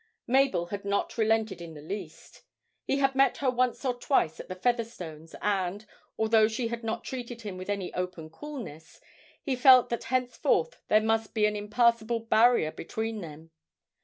Mabel had not relented in the least. He had met her once or twice at the Featherstones' and, although she had not treated him with any open coolness, he felt that henceforth there must be an impassable barrier between them.